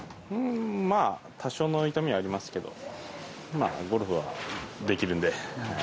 まあ多少の痛みはありますけどゴルフはできるので。